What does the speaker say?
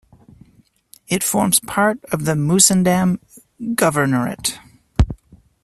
It forms part of the Musandam Governorate.